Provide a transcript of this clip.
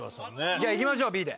じゃあいきましょうＢで。